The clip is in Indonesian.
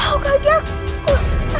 aduh kaki aku